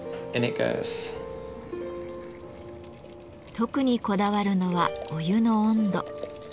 特にこだわるのはお湯の温度。